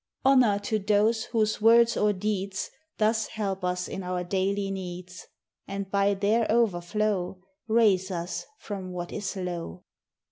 Honor to those whose words or deeds Thus help us in our daily needs, And by their overflow Raise us from what is low!